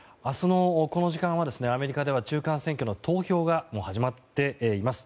明日のこの時間はアメリカでは中間選挙の投票がもう始まっています。